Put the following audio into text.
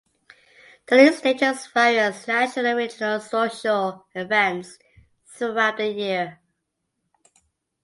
The League stages various national and regional social events throughout the year.